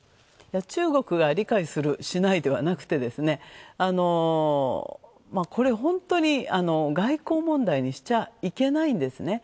中国が理解する、しないではなくて本当に外交問題にしちゃいけないんですね。